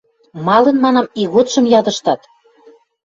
— Малын, манам, иготшым ядыштат?